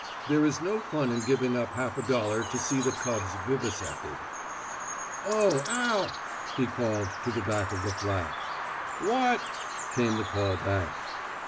There is no fun in giving up half a dollar to see the Cubs vivisected. "Oh, Al," he called to the back of the flat. "What?" came the call back.